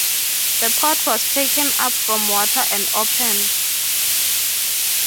The pot was taken up from the water and opened.